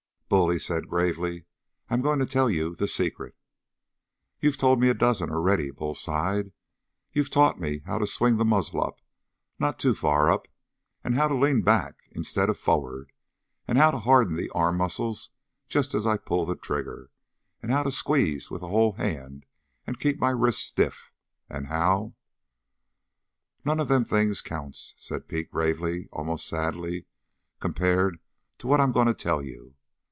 "Bull," he said gravely, "I'm going to tell you the secret." "You've told me a dozen already," Bull sighed. "You've taught me how to swing the muzzle up, and not too far up, and how to lean back instead of forward, and how to harden the arm muscles just as I pull the trigger, and how to squeeze with the whole hand and keep my wrist stiff, and how " "None of them things counts," said Pete gravely, almost sadly, "compared to what I'm going to tell you.